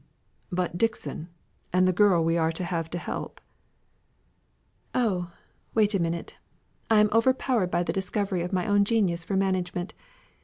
"But Dixon, and the girl we are to have to help?" "Oh, wait a minute. I am overpowered by the discovery of my own genius for management.